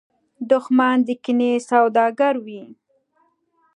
دښمن د کینې سوداګر وي